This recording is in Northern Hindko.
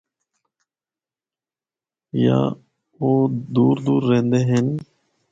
یا او دور دور رہندے ہن۔